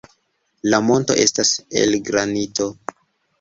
La monto estas el granito.